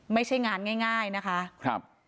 ไม่ใช่งานง่ายนะคะ